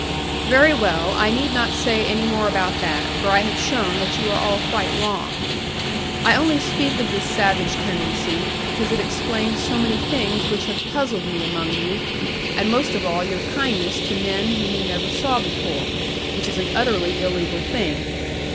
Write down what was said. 'Very well; I need not say any more about that, for I have shown that you are all quite wrong. I only speak of this savage tendency, because it explains so many things which have puzzled me among you, and most of all your kindness to men whom you never saw before; which is an utterly illegal thing.